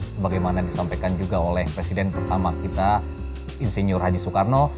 sebagaimana disampaikan juga oleh presiden pertama kita insinyur haji soekarno